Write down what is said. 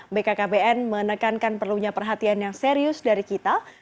bkkbn menekankan perlunya perhatian yang serius dari kita